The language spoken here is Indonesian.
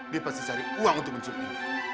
dia pasti cari uang untuk mencukupi